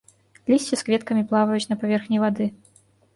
Лісце з кветкамі плаваюць на паверхні вады.